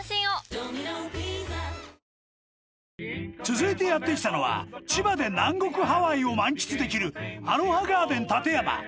続いてやって来たのは千葉で南国ハワイを満喫できるアロハガーデンたてやま